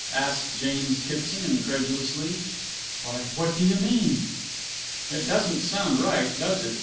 asked James Kitson incredulously, "why, what do you mean?" "It doesn't sound right, does it?"